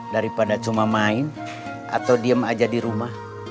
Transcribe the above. daripada cuma main atau diem aja di rumah